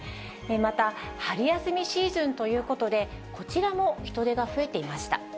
また、春休みシーズンということで、こちらも人出が増えていました。